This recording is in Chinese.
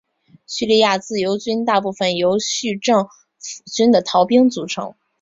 叙利亚自由军大部分由叙政府军的逃兵组成。